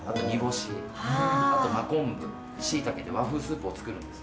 しいたけで和風スープを作るんです。